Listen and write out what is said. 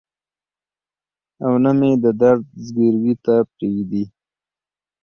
او نه مې د درد ځګروي ته پرېږدي.